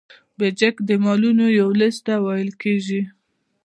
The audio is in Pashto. بیجک د مالونو یو لیست ته ویل کیږي.